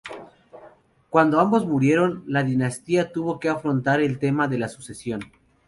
Cuando ambos murieron, la dinastía tuvo que afrontar el tema de la sucesión.